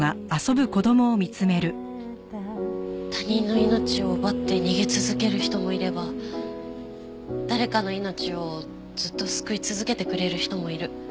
他人の命を奪って逃げ続ける人もいれば誰かの命をずっと救い続けてくれる人もいる。